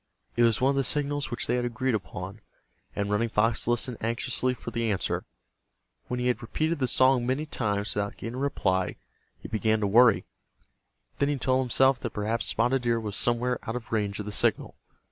It was one of the signals which they had agreed upon, and Running Fox listened anxiously for the answer. When he had repeated the song many times without getting a reply he began to worry. Then he told himself that perhaps Spotted Deer was somewhere out of range of the signal.